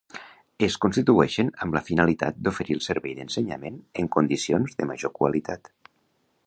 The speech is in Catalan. Es constitueixen amb la finalitat d'oferir el servei d'ensenyament en condicions de major qualitat.